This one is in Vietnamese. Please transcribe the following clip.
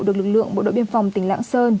được lực lượng bộ đội biên phòng tỉnh lạng sơn